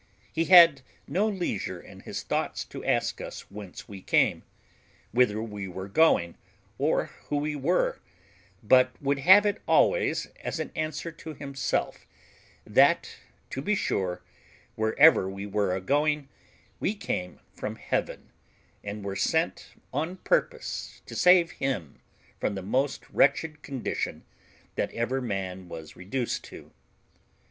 He had no leisure in his thoughts to ask us whence we came, whither we were going, or who we were; but would have it always as an answer to himself, that to be sure, wherever we were a going, we came from Heaven, and were sent on purpose to save him from the most wretched condition that ever man was reduced to.